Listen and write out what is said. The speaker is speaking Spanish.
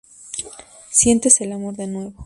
Sientes el amor de nuevo.